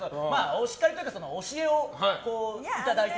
おしかりというか教えをいただいて。